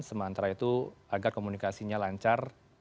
sementara itu agar komunikasinya lancar